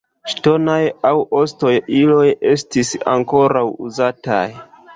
Ŝtonaj aŭ ostaj iloj estis ankoraŭ uzataj.